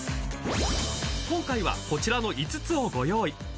［今回はこちらの５つをご用意］